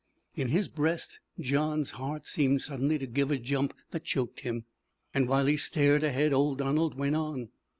In his breast John's heart seemed suddenly to give a jump that choked him. And while he stared ahead old Donald went on.